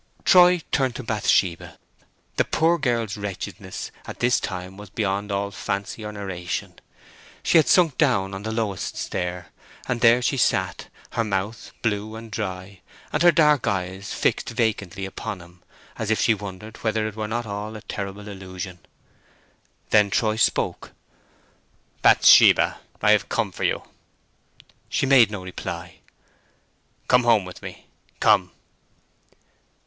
Troy turned to Bathsheba. The poor girl's wretchedness at this time was beyond all fancy or narration. She had sunk down on the lowest stair; and there she sat, her mouth blue and dry, and her dark eyes fixed vacantly upon him, as if she wondered whether it were not all a terrible illusion. Then Troy spoke. "Bathsheba, I come here for you!" She made no reply. "Come home with me: come!"